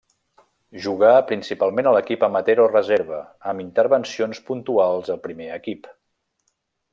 Jugà principalment a l'equip amateur o reserva, amb intervencions puntuals al primer equip.